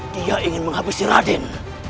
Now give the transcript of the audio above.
dia ingin menghabisi radin